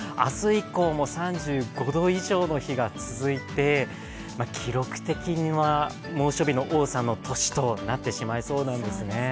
以降も３５度以上の日が続いて記録的な猛暑日の多さの年となってしまいそうなんですね。